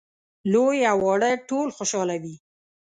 لوی او واړه ټول خوشاله وي.